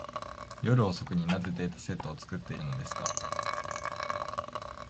夜遅くに、なぜデータセットを作っているのですか。